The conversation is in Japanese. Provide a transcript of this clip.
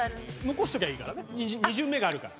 残しときゃいいからね２巡目があるから。